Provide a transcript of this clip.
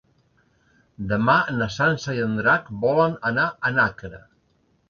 Demà na Sança i en Drac volen anar a Nàquera.